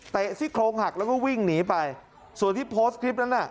ซี่โครงหักแล้วก็วิ่งหนีไปส่วนที่โพสต์คลิปนั้นน่ะ